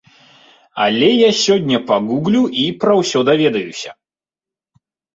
Але я сёння пагуглю і ўсё пра даведаюся!